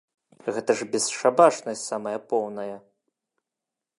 Гэта ж бесшабашнасць самая поўная!